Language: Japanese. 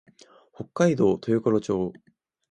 北海道豊頃町